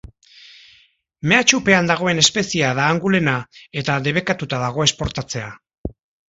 Mehatxupean dagoen espeziea da angulena eta debekatuta dago exportatzea.